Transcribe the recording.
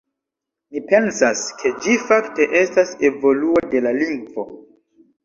Mi pensas, ke ĝi fakte estas evoluo de la lingvo.